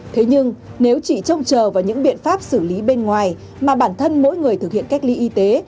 thế nhưng nếu chỉ trông chờ vào những biện pháp xử lý bên ngoài mà bản thân mỗi người thực hiện cách ly y tế